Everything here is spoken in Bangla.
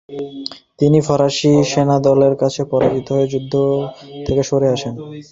তিনি ফরাসী সেনাদলের কাছে পরাজিত হয়ে যুদ্ধ থেকে সরে আসেন।